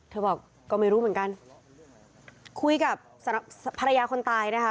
เธอบอกก็ไม่รู้เหมือนกันคุยกับภรรยาคนตายนะคะ